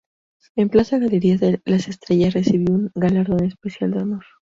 En Plaza Galerías de las Estrellas, recibió un galardón especial de honor.